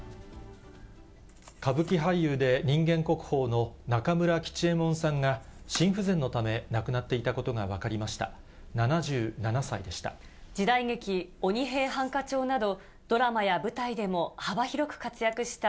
歌舞伎俳優で人間国宝の中村吉右衛門さんが、心不全のため、亡くなっていたことが分かりました。